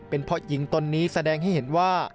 เป็นเพราะหญิงตนนี้แสดงให้เห็นว่า